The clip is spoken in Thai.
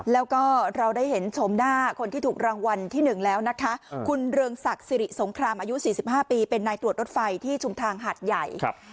แล้วก็เราได้เห็นชมหน้าคนที่ถูกรางวัลที่๑แล้วนะคะคุณเรืองศักดิ์สิริสงครามอายุ๔๕ปีเป็นนายตรวจรถไฟที่ชุมทางหาดใหญ่